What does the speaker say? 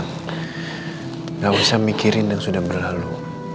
tidak usah mikirin yang sudah berlalu